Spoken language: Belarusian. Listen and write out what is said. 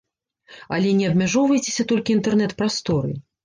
Але не абмяжоўвайцеся толькі інтэрнэт-прасторай.